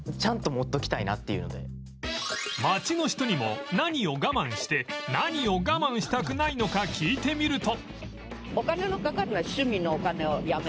街の人にも何を我慢して何を我慢したくないのか聞いてみると